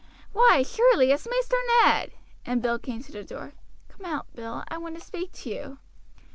"Why, surely, it's Maister Ned!" and Bill came to the door. "Come out, Bill, I want to speak to you."